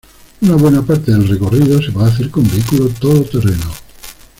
Una buena parte del recorrido, se puede hacer con vehículo todoterreno.